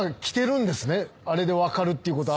あれで分かるってことは。